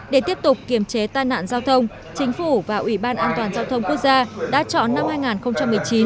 để tiếp tục kiềm chế tai nạn giao thông chính phủ và ubnd tp hà nội đã chọn năm hai nghìn một mươi chín